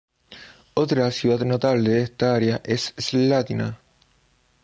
Otra ciudad notable en esta área es Slatina.